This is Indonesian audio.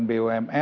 nah dalam modusnya